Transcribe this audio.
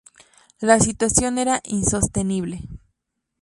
La situación era insostenible.